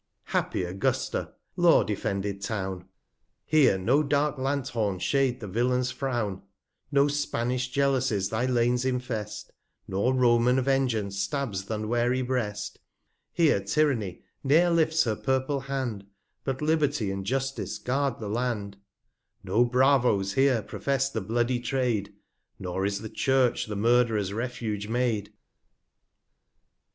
Happy Augusta ! Law defended Town ! 145 Here no dark Lanthorns shade the Villain's Frown; No Spanish Jealousies thy Lanes infest, Nor Roman Vengeance stabs th' unwary Breast; Here Tyranny ne'er lifts her purple Hand, But Liberty and Justice guard the Land ; 150 No Bravos here profess the bloody Trade, Nor is the Church the Murd'rer's Refuge made.